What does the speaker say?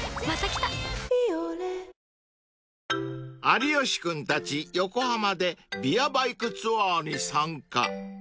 ［有吉君たち横浜でビアバイクツアーに参加］